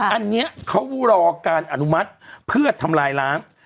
อันนี้เขารอการอนุมัติเพื่อทำลายล้าง